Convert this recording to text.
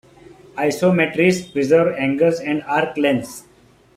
Isometries preserve angles and arc-lengths.